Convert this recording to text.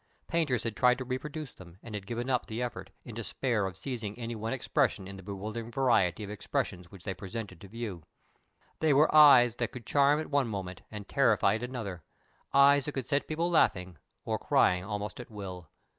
Painters had tried to reproduce them, and had given up the effort, in despair of seizing any one expression in the bewildering variety of expressions which they presented to view. They were eyes that could charm at one moment and terrify at another; eyes that could set people laughing or crying almost at will.